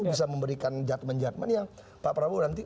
bisa memberikan judgment judgment yang pak prabowo nanti